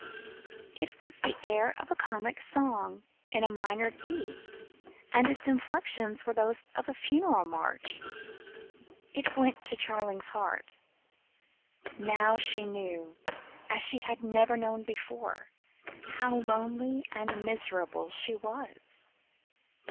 It was the air of a comic song, in a minor key, and its inflections were those of a funeral march. It went to Charling's heart. Now she knew, as she had never known before, how lonely and miserable she was.